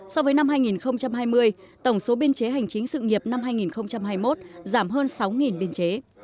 so với năm hai nghìn hai mươi tổng số biên chế hành chính sự nghiệp năm hai nghìn hai mươi một giảm hơn sáu biên chế